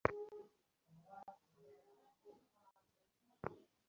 এটা শুধু হীরা নয়, এটা কোহিনূর!